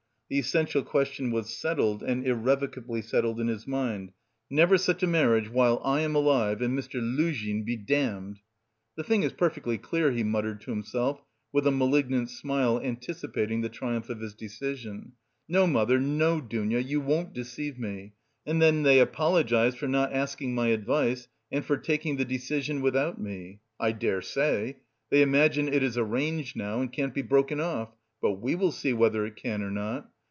The essential question was settled, and irrevocably settled, in his mind: "Never such a marriage while I am alive and Mr. Luzhin be damned!" "The thing is perfectly clear," he muttered to himself, with a malignant smile anticipating the triumph of his decision. "No, mother, no, Dounia, you won't deceive me! and then they apologise for not asking my advice and for taking the decision without me! I dare say! They imagine it is arranged now and can't be broken off; but we will see whether it can or not!